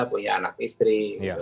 punya anak istri